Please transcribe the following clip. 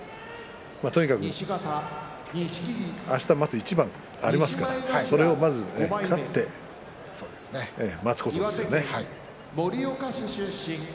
とにかくあしたまだ一番ありますからそれをまず勝って待つことですよね。